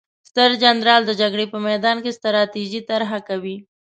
ستر جنرال د جګړې په میدان کې ستراتیژي طرحه کوي.